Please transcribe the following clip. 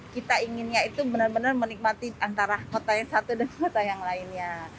kita inginnya itu benar benar menikmati antara kota yang satu dan kota yang lainnya